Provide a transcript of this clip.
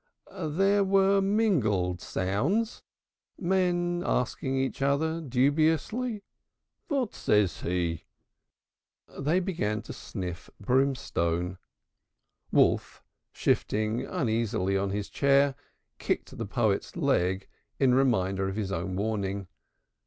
There were mingled sounds, men asking each other dubiously, "What says he?" They began to sniff brimstone. Wolf, shifting uneasily on his chair, kicked the poet's leg in reminder of his own warning.